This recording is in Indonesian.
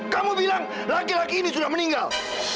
kamu bilang laki laki ini sudah meninggal